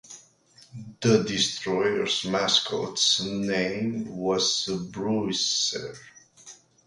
The Destroyers' mascot's name was Bruiser.